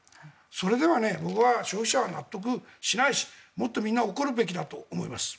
それでは僕は消費者は納得しないしもっとみんな怒るべきだと思います。